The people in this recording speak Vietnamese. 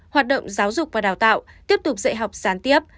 hoạt động giáo dục và đào tạo tiếp tục dạy học gián tiếp